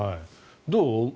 どう？